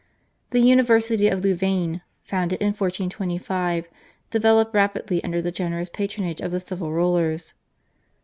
The University of Louvain, founded in 1425, developed rapidly under the generous patronage of the civil rulers.